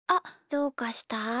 どうかした？